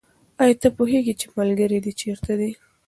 آیا ته پوهېږې چې ملګري دې چېرته دي؟